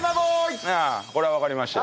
これはわかりましたよ。